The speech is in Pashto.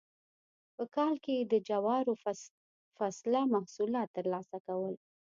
په کال کې یې د جوارو فصله محصولات ترلاسه کول.